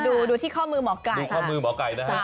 ดูที่ข้อมือหมอไก่